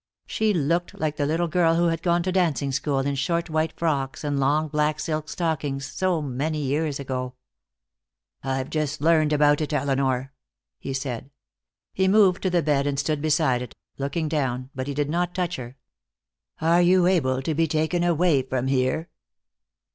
She looked like the little girl who had gone to dancing school in short white frocks and long black silk stockings, so many years ago. "I've just learned about it, Elinor," he said. He moved to the bed and stood beside it, looking down, but he did not touch her. "Are you able to be taken away from here?"